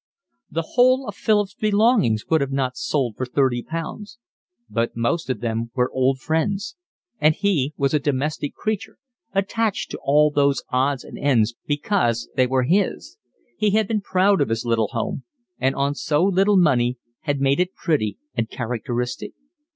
The whole of Philip's belongings would not have sold for thirty pounds, but most of them were old friends, and he was a domestic creature, attached to all those odds and ends because they were his; he had been proud of his little home, and on so little money had made it pretty and characteristic.